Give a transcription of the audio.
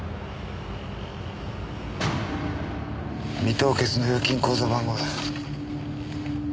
未凍結の預金口座番号だ。